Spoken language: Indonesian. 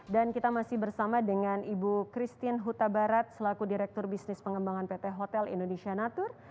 dan kita masih bersama dengan ibu christine huta barat selaku direktur bisnis pengembangan pt hotel indonesia natur